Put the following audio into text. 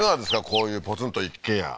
こういうポツンと一軒家。